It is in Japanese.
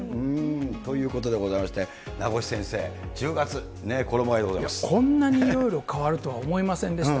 ということでございまして、名越先生、１０月、こんなにいろいろ変わるとは思いませんでした。